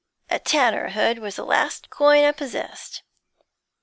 A tanner, Hood, was the last coin I possessed.